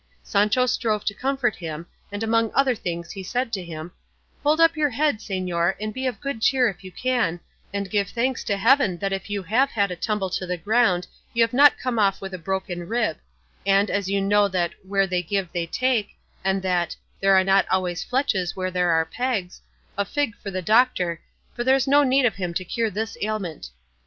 Sancho strove to comfort him, and among other things he said to him, "Hold up your head, señor, and be of good cheer if you can, and give thanks to heaven that if you have had a tumble to the ground you have not come off with a broken rib; and, as you know that 'where they give they take,' and that 'there are not always fletches where there are pegs,' a fig for the doctor, for there's no need of him to cure this ailment.